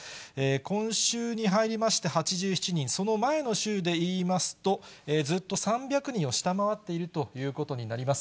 今週に入りまして、８７人、その前の週でいいますと、ずっと３００人を下回っているということになります。